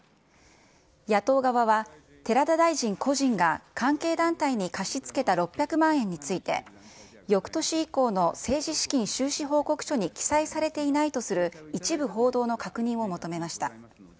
野党側は、寺田大臣個人が関係団体に貸し付けた６００万円について、よくとし以降の政治資金収支報告書に記載されていないとする、一部報道の確認を求めました。